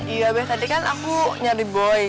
iya be tadi kan aku nyari boe